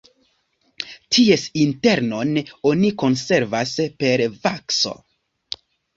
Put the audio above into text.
Ties internon oni konservas per vakso.